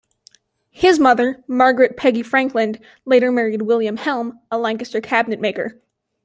His mother, Margaret "Peggy" Frankland, later married William Helm, a Lancaster cabinet-maker.